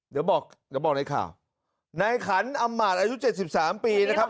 เดี๋ยวบอกในขันอำราศอายุเจ็ด๑๓ปีนะครับ